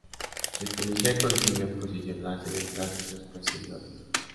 El policía consigue posicionarse detrás de sus perseguidores.